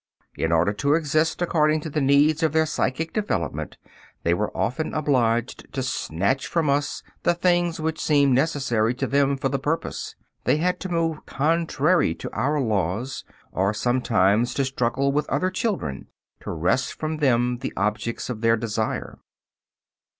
In order to exist according to the needs of their psychic development they were often obliged to snatch from us the things which seemed necessary to them for the purpose. They had to move contrary to our laws, or sometimes to struggle with other children to wrest from them the objects of their desire.